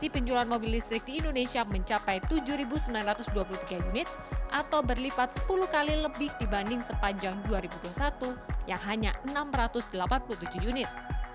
penjualan mobil listrik di indonesia mencapai tujuh sembilan ratus dua puluh tiga unit atau berlipat sepuluh kali lebih dibanding sepanjang dua ribu dua puluh satu yang hanya enam ratus delapan puluh tujuh unit